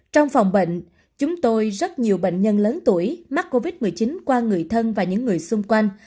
trong phòng bệnh chúng tôi rất nhiều bệnh nhân lớn tuổi mắc covid một mươi chín qua người thân và những người xung quanh